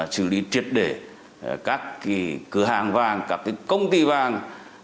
xử lý triệt để các cửa hàng vàng các công ty vàng